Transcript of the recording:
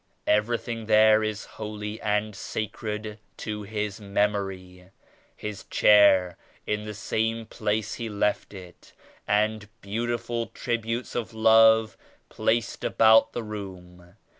Everything there is holy and sacred to His memory; His chair in the same place He left it, and beautiful tributes of love placed about the room.